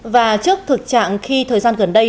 và trước thực trạng khi thời gian gần đây